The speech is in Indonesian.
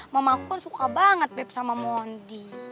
mama aku kan suka banget bep sama mondi